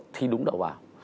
thi đúng đầu vào